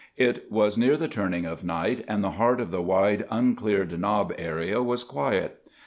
It was near the turning of night, and the heart of the wide, uncleared knob area was quiet.